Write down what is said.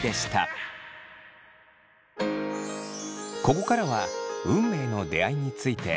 ここからは運命の出会いについて。